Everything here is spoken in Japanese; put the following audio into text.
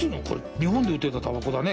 日本で売ってた、たばこだね。